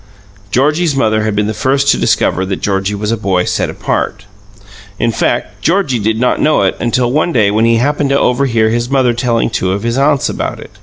Georgie's mother had been the first to discover that Georgie was a boy set apart. In fact, Georgie did not know it until one day when he happened to overhear his mother telling two of his aunts about it.